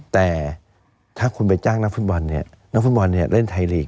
แต่ถ้าคุณไปจ้างนักฟุตบอลเนี่ยนักฟุตบอลเล่นไทยลีก